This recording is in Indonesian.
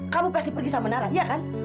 kamu pasti pergi sama nara iya kan